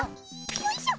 よいしょ！